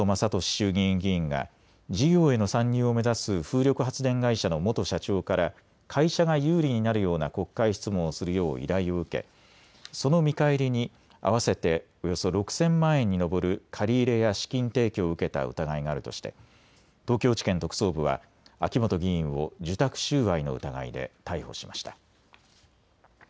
衆議院議員が事業への参入を目指す風力発電会社の元社長から会社が有利になるような国会質問をするよう依頼を受け、その見返りに合わせておよそ６０００万円に上る借り入れや資金提供を受けた疑いがあるとして東京地検特捜部は秋本議員を受託収賄の疑いで逮捕しました。